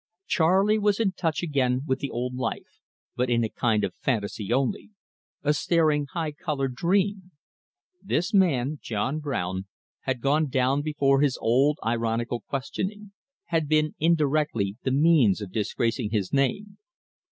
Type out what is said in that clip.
Charley was in touch again with the old life, but in a kind of fantasy only a staring, high coloured dream. This man John Brown had gone down before his old ironical questioning, had been, indirectly, the means of disgracing his name.